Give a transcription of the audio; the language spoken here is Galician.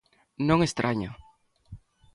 Non estraña.